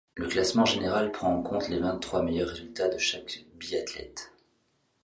Le classement général prend en compte les vingt trois meilleurs résultats de chaque biathlète.